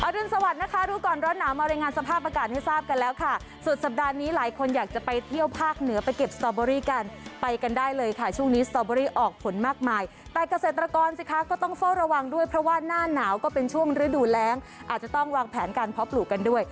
รุนสวัสดิ์นะคะรู้ก่อนร้อนหนาวมารายงานสภาพอากาศให้ทราบกันแล้วค่ะสุดสัปดาห์นี้หลายคนอยากจะไปเที่ยวภาคเหนือไปเก็บสตอเบอรี่กันไปกันได้เลยค่ะช่วงนี้สตอเบอรี่ออกผลมากมายแต่เกษตรกรสิคะก็ต้องเฝ้าระวังด้วยเพราะว่าหน้าหนาวก็เป็นช่วงฤดูแรงอาจจะต้องวางแผนการเพาะปลูกกันด้วย